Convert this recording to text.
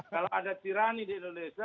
kalau ada tirani di indonesia